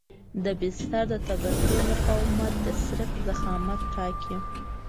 د بستر د طبقې مقاومت د سرک ضخامت ټاکي